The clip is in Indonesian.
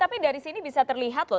tapi dari sini bisa terlihat loh